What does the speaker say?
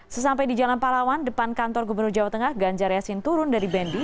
sesampai di jalan palawan depan kantor gubernur jawa tengah ganjar yasin turun dari bendi